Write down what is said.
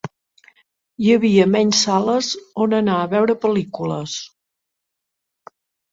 Hi havia menys sales on anar a veure pel·lícules.